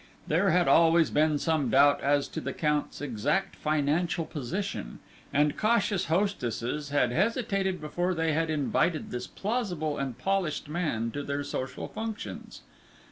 There had always been some doubt as to the Count's exact financial position, and cautious hostesses had hesitated before they had invited this plausible and polished man to their social functions.